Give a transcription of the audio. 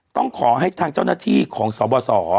ต้องขอให้ทางเจ้าหน้าที่ของสบส